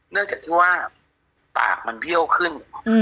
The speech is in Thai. เนื่องจากที่ว่าปากมันเบี้ยวขึ้น